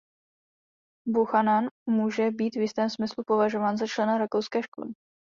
Buchanan může být v jistém smyslu považován za člena rakouské školy.